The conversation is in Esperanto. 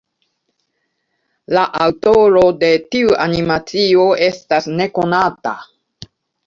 La aŭtoro de tiu animacio estas nekonata.